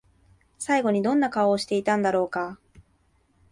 最後にどんな顔をしていたんだろうか？